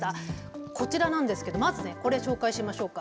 こちらなんですけどこれ紹介しましょうか。